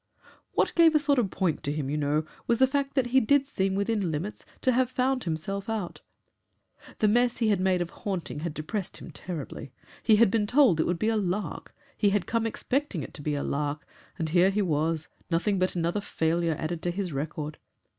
"What gave a sort of point to him, you know, was the fact that he did seem within limits to have found himself out. The mess he had made of haunting had depressed him terribly. He had been told it would be a 'lark'; he had come expecting it to be a 'lark,' and here it was, nothing but another failure added to his record!